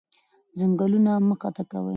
ځنګلونه مه قطع کوئ